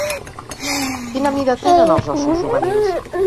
Quina mida tenen els ossos juvenils?